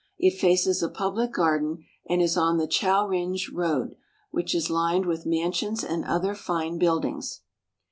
It faces a public garden and is on the Chowringe Road, which is lined with mansions and other fine buildings.